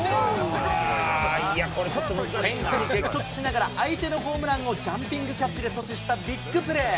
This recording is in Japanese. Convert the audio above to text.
フェンスに激突しながら、相手のホームランをジャンピングキャッチで阻止したビッグプレー。